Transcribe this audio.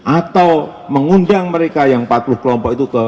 atau mengundang mereka yang empat puluh kelompok itu ke